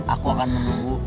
aku akan menunggu